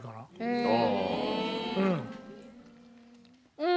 うん。